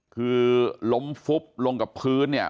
คือล้มฟุบลงกับพื้นเนี่ย